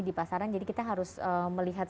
di pasaran jadi kita harus melihat